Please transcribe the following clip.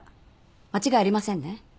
間違いありませんね？